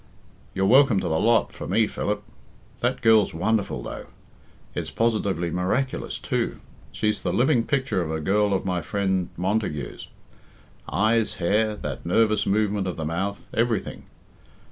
You're welcome to the lot for me, Philip. That girl's wonderful, though. It's positively miraculous, too; she's the living picture of a girl of my friend Montague's. Eyes, hair, that nervous movement of the mouth everything.